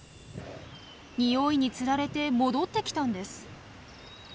ニオイにつられて戻ってきたんです。